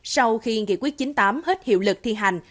sau khi nghị quyết chín mươi tám hết hiệu lực thi hành